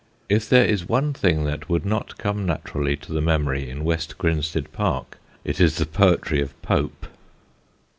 If there is one thing that would not come naturally to the memory in West Grinstead park, it is the poetry of Pope.